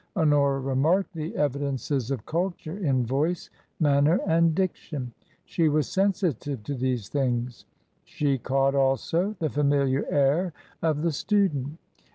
Honora remarked the evidences of culture in voice, manner, and diction; she was sensitive to these things. She caught, also, the familiar air of the student.